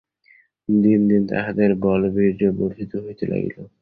দিন দিন তাঁহাদের বলবীর্য বর্ধিত হইতে লাগিল।